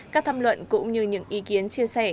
các tham luận cũng như những ý kiến chia sẻ